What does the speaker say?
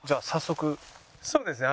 そうですね。